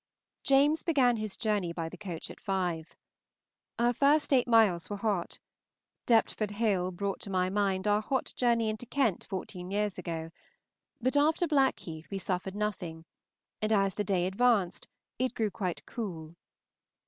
James began his journey by the coach at five. Our first eight miles were hot; Deptford Hill brought to my mind our hot journey into Kent fourteen years ago; but after Blackheath we suffered nothing, and as the day advanced it grew quite cool.